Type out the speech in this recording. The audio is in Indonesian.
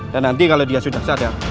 dan nanti kalau dia sudah sadar